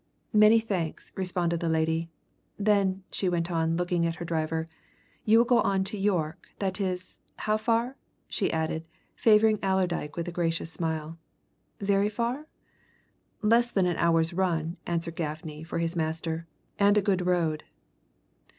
"Many thanks," responded the lady. "Then," she went on, looking at her driver, "you will go on to York that is how far?" she added, favouring Allerdyke with a gracious smile. "Very far?" "Less than an hour's run," answered Gaffney for his master. "And a good road."